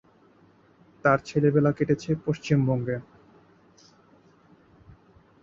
তার ছেলেবেলা কেটেছে পশ্চিমবঙ্গে।